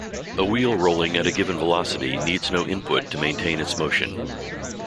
A wheel rolling at a given velocity needs no input to maintain its motion.